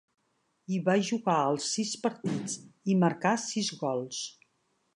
Hi va jugar els sis partits, i marcà sis gols.